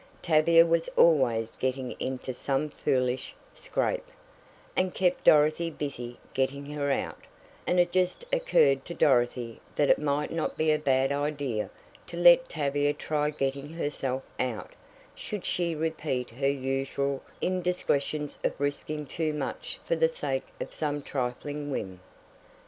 Tavia was always getting into some foolish scrape, and kept Dorothy busy getting her out, and it just occurred to Dorothy that it might not be a bad idea to let Tavia try getting herself out, should she repeat her usual indiscretions of risking too much for the sake of some trifling whim.